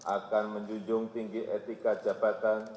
akan menjunjung tinggi etika jabatan